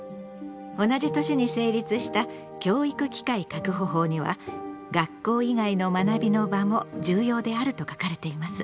同じ年に成立した教育機会確保法には「学校以外の学びの場も重要である」と書かれています。